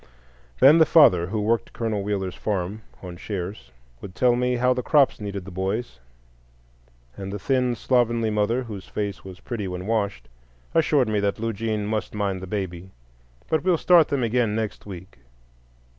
Then the father, who worked Colonel Wheeler's farm on shares, would tell me how the crops needed the boys; and the thin, slovenly mother, whose face was pretty when washed, assured me that Lugene must mind the baby. "But we'll start them again next week."